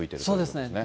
そうですね。